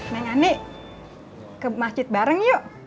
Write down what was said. mengani ke masjid bareng yuk